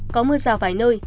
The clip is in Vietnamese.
có mưa rào vài nơi